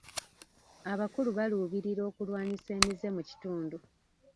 Abakulu baluubirira okulwanyisa emize mu kitundu.